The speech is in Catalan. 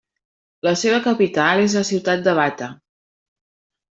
La seva capital és la ciutat de Bata.